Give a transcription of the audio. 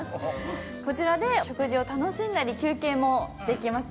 こちらで食事を楽しんだり休憩もできます。